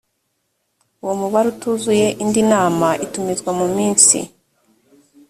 uwo mubare utuzuye indi inama itumizwa mu minsi